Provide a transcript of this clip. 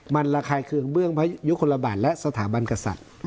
มันระคายเคืองเบื้องพระยุคลบาทและสถาบันกษัตริย์